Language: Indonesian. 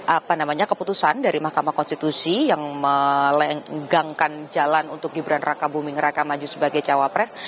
apa namanya keputusan dari mahkamah konstitusi yang menggangkan jalan untuk gibran raka buming raka maju sebagai cawapres